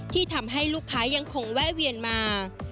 ที่ทำให้ลูกค้ายังคงแวะเวียนมา